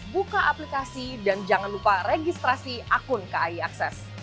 buka aplikasi dan jangan lupa registrasi akun kai akses